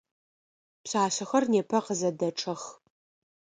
Пшъашъэхэр непэ къызэдэчъэх.